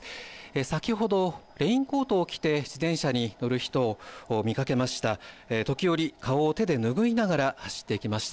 先ほどレインコートを着て自転車に乗る人を見かけました。